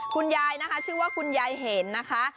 คุณยายนะคะชื่อว่าคุณยายเห็นนะคะ